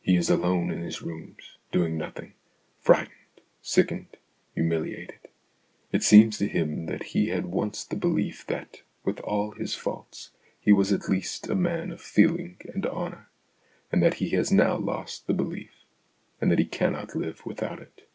He is alone in his rooms, doing nothing, frightened, sickened, humiliated ; it seems to him that he had once the belief that, with all his faults, he was at least a man of feeling and honour, and that he has now lost the belief, and that he cannot live without it.